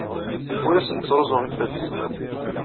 Ur asen-ttruẓuɣ ifadden.